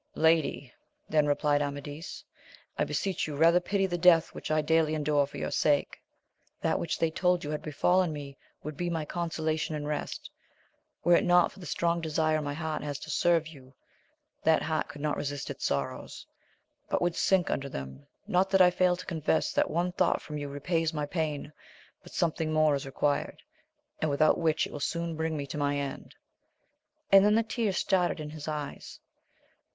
Lady, then, replied Amadis, I beseech you rather pity the death which I daily endure for your sake \ that which they told you had befallen me would be my consolation and rest : were it not for the strong desire my heart has to serve you, that heart could not resist its sorrows, but would sink under them ; not that I fail to confess that one thought from you repays my pain, but something more is required, and without which it will soon bring me to my end. And then the tears started in his eyes.